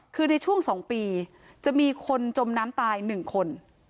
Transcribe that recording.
คือในช่วง๒ปีจะมีคนจมน้ำตาย๑คน